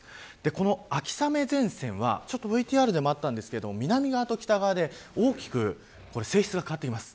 この秋雨前線はＶＴＲでもありましたが南側と北側で大きく性質が変わってきます。